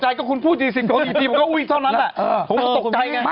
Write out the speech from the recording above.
ก็ตกใจก็คุณพูดสี่สิบกว่าอีกทีผมก็อุ้ยเท่านั้นแหละเออผมก็ตกใจไง